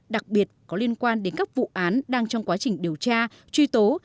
đặc biệt có liên quan đến các vụ án đang trong quá trình điều tra truy tố